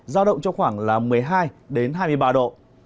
giao động cho khoảng là một mươi hai hai mươi ba độ